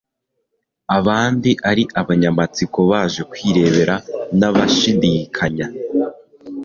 abandi ari abanyamatsiko baje kwirebera n'abashidikanya.